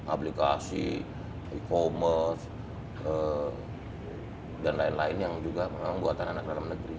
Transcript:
aplikasi e commerce dan lain lain yang juga memang buatan anak dalam negeri